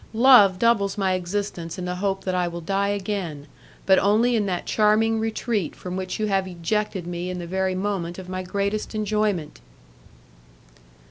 Love doubles my existence in the hope that I will die again, but only in that charming retreat from which you have ejected me in the very moment of my greatest enjoyment."